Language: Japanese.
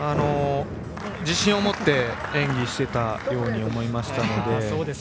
自信を持って演技をしていたように思いました。